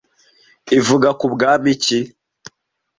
ivuga ku Bwami ki